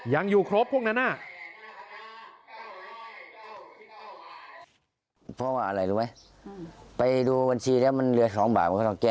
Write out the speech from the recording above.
ยังอยู่ครบพวกนั้นน่ะ